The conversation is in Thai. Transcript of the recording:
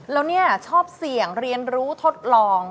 แล้วเนี่ยชอบเสี่ยงเรียนรู้ทดลอง